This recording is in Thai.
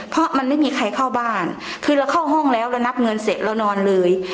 เพราะมันไม่มีใครเข้าบ้านคือเราเข้าห้องแล้วเรานับเงินเสร็จเรานอนเลย